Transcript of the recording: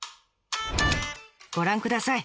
ご覧ください